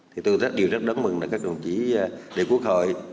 thì tôi rất đều rất đón mừng các đồng chí đại biểu quốc hội